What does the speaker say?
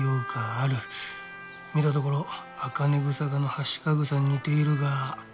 見たところ茜草科のハシカグサに似ているが。